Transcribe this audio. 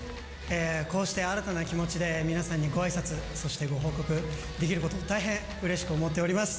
こうして新たな気持ちで皆さんにごあいさつ、そしてご報告できることを大変うれしく思っております。